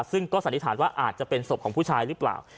ซึ่งก็สันนิษฐานว่าอาจจะเป็นศพของผู้ชายหรือเปล่า